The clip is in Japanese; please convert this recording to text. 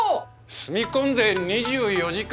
住み込んで２４時間？